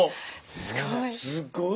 すごい。